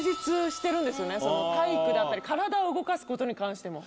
体育だったり体を動かすことに関しても。